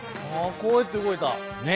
こうやって動いた！